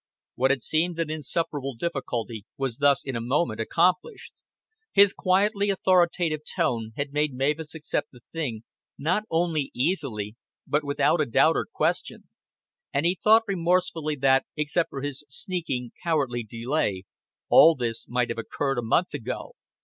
What had seemed an insuperable difficulty was thus in a moment accomplished. His quietly authoritative tone had made Mavis accept the thing not only easily but without a doubt or question, and he thought remorsefully that, except for his sneaking, cowardly delay, all this might have occurred a month ago.